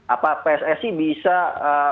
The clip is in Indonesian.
apa pssi bisa melakukan itu